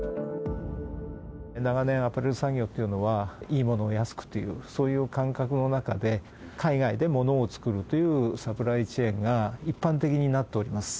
長年、アパレル産業っていうのは、いい物を安くという、そういう感覚の中で、海外で物を作るというサプライチェーンが一般的になっております。